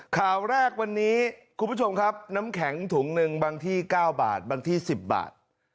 ข่าวแรกวันนี้คุณผู้ชมครับน้ำแข็งถุงหนึ่งบางที่๙บาทบางที่๑๐บาท